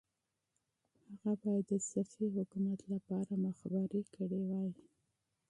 هغه باید د صفوي حکومت لپاره مخبري کړې وای.